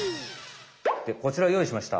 こちらをよういしました。